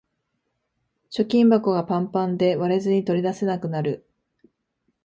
貯金箱がパンパンで割れずに取り出せなくなる